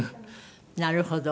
なるほど。